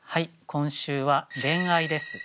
今週は「恋愛」です。